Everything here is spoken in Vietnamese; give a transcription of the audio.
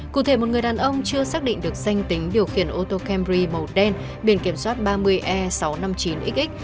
cụ thể một người đàn ông chưa xác định được danh tính điều khiển ô tô camry màu đen biển kiểm soát ba mươi e sáu trăm năm mươi chín xx